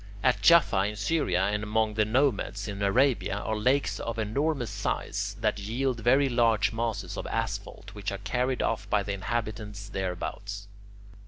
At Jaffa in Syria and among the Nomads in Arabia, are lakes of enormous size that yield very large masses of asphalt, which are carried off by the inhabitants thereabouts.